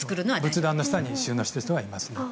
仏壇の下に収納している人はいますね。